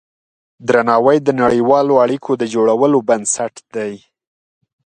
درناوی د نړیوالو اړیکو د جوړولو بنسټ دی.